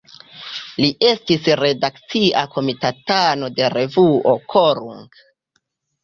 Li estis redakcia komitatano de revuo "Korunk".